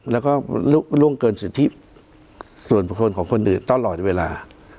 แล้วก็ล่วงเกินสิทธิส่วนบุคคลของคนอื่นตลอดเวลา